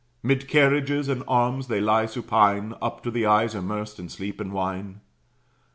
'Mid carriages and arms they lie supine, Up to the eyes immersed in sleep and wine.